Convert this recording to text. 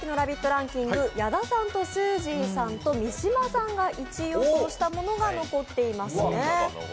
ランキング、矢田さんとすーじーさんと三島さんが１位予想したものが残ってますね。